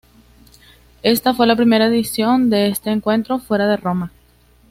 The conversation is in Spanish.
Esta fue la primera edición de este encuentro fuera de Roma.